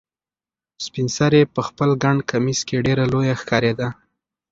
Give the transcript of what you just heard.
سپین سرې په خپل ګڼ کمیس کې ډېره لویه ښکارېده.